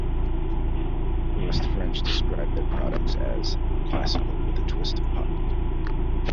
Frost French described their products as: classical with a twist of pop.